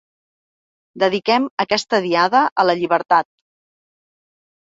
Dediquem aquesta Diada a la llibertat.